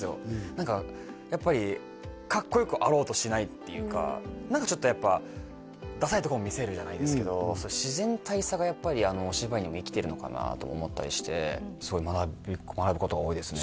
何かやっぱりかっこよくあろうとしないっていうか何かちょっとやっぱダサいところも見せるじゃないですけどそういう自然体さがやっぱりお芝居にも生きてるのかなとも思ったりしてすごい学ぶことが多いですね